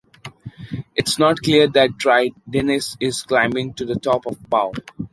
It's not clear that Traidenis is climbing to the top of power.